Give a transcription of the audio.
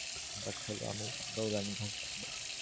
সে মনে মনে বললে, এই আমার কাজ হল, আমি বউরানীকে হাসাব।